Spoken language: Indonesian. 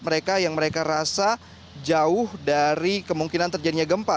mereka yang mereka rasa jauh dari kemungkinan terjadinya gempa